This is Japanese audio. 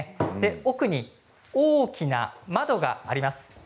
奥に大きな窓があります。